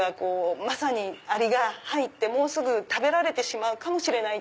まさにアリが入ってもうすぐ食べられてしまうかもしれない。